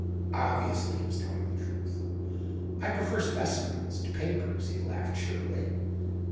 Obviously he was telling the truth. "I prefer specimens to papers," he laughed cheerily.